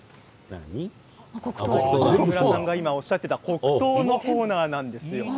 今、木村さんがおっしゃっていた黒糖のコーナーなんです。